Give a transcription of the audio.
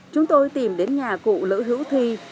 chúng tôi tìm đến nhà cụ lữ hữu thi